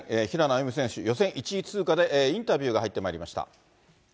平野歩夢選手、予選１位通過でインタビューが入ってまいりました。